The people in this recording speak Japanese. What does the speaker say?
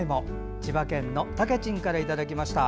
千葉県のたけちんからいただきました。